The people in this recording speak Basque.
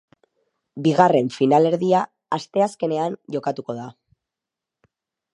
Bigarren finalerdia asteazkenean jokatuko da.